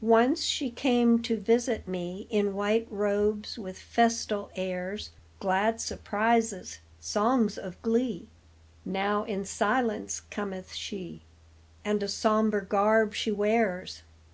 Once she came to visit me In white robes with festal airs, Glad surprises, songs of glee; Now in silence cometh she, And a sombre garb she wears.